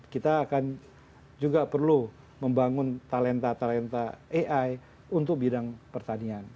kita akan juga perlu membangun talenta talenta ai untuk bidang pertanian